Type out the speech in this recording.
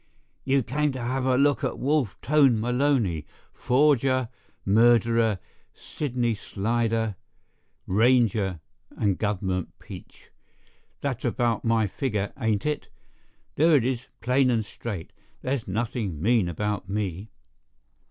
You came to have a look at Wolf Tone Maloney, forger, murderer, Sydney slider, ranger, and government peach. That's about my figure, ain't it? There it is, plain and straight; there's nothing mean about me."